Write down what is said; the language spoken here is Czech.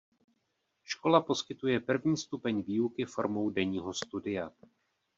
Škola poskytuje první stupeň výuky formou denního studia.